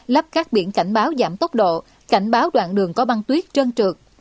lắp các biển cảnh báo giảm tốc độ cảnh báo đoạn đường có băng tuyết chân trượt